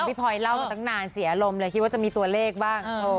พลอยเล่ามาตั้งนานเสียอารมณ์เลยคิดว่าจะมีตัวเลขบ้าง